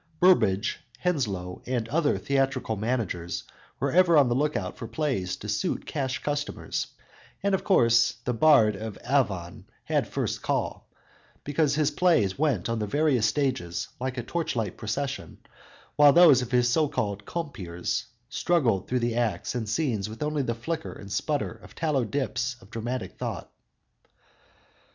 Burbage, Henslowe and other theatrical managers, were ever on the lookout for plays to suit cash customers, and of course, the Bard of Avon had first call, because his plays went on the various stages like a torchlight procession, while those of his so called compeers, struggled through the acts and scenes with only the flicker and sputter of tallow dips of dramatic thought.